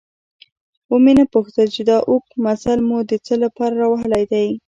ومې نه پوښتل چې دا اوږد مزل مو د څه له پاره راوهلی دی؟